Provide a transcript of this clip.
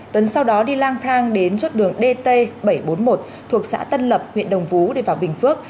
tuấn sau đó đi lang thang đến chốt đường dt bảy trăm bốn mươi một thuộc xã tân lập huyện đồng phú để vào bình phước